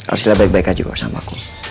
arshila baik baik aja kok sama aku